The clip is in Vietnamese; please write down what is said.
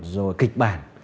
rồi kịch bản